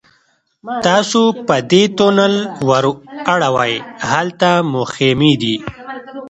تاسو په دې تونل ورواوړئ هلته مو خیمې دي.